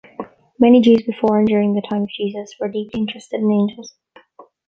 Many Jews before and during the time of Jesus were deeply interested in angels.